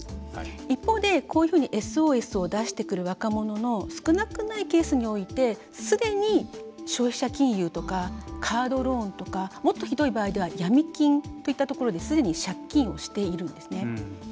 一方で、こういうふうにＳＯＳを出してくる若者の少なくないケースにおいてすでに消費者金融とかカードローンとかもっとひどい場合ではヤミ金といったところですでに借金をしているんですね。